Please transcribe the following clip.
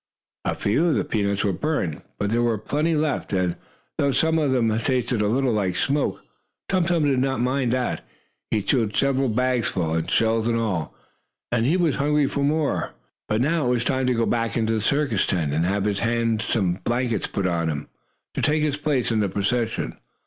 A few of the peanuts were burned, but there were plenty left, and, though some of them tasted a little like smoke, Tum Tum did not mind that. He chewed several bags full shells and all and was hungry for more. But now it was time to go back into the circus tent, and have his handsome blanket put on, to take his place in the procession.